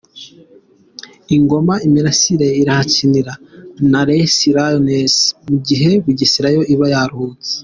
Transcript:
I Ngoma, Imirasire irahakinira na Les Lionnes mu gihe Bugesera yo iba yaruhutse.